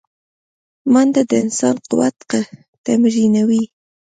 منډه د انسان قوت تمرینوي